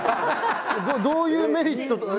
どういうメリット。